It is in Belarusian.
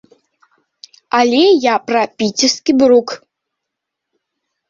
Але я пра піцерскі брук.